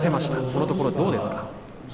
このところ、どうですか。